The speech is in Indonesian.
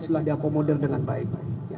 sudah diakomodir dengan baik